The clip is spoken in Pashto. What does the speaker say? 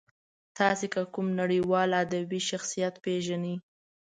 تاسې که کوم نړیوال ادبي شخصیت پېژنئ.